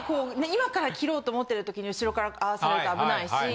今から切ろうと思ってる時に後ろからああされると危ないし。